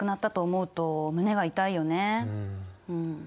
うん。